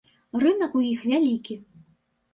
Рынак у іх вялікі.